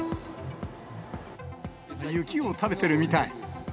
雪を食べてるみたい。